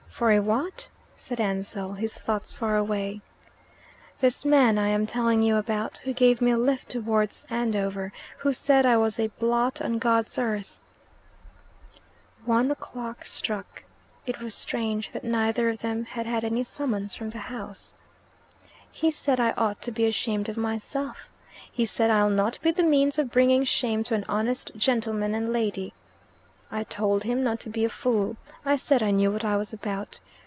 "For a what?" said Ansell, his thoughts far away. "This man I am telling you about, who gave me a lift towards Andover, who said I was a blot on God's earth." One o'clock struck. It was strange that neither of them had had any summons from the house. "He said I ought to be ashamed of myself. He said, 'I'll not be the means of bringing shame to an honest gentleman and lady.' I told him not to be a fool. I said I knew what I was about.